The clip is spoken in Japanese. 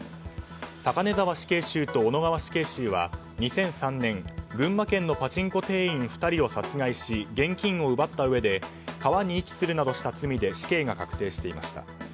高根沢死刑囚と小野川死刑囚は２００３年群馬県のパチンコ店員２人を殺害し、現金を奪ったうえで川に遺棄するなどした罪で死刑が確定していました。